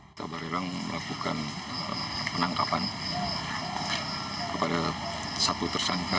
kita bariwerang melakukan penangkapan kepada satu tersangka